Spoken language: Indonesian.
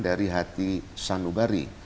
dari hati sanubari